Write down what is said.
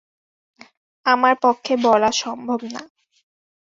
আমার পক্ষে বলা সম্ভব নয়।